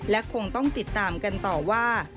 และคงต้องติดตามกันต่อว่า